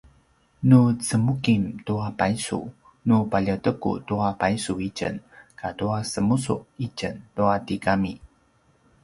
nu cemuking tua paysu nu paljeteku tua paysu itjen katua semusu’ itjen tua tigami